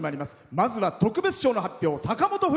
まずは、特別賞の発表。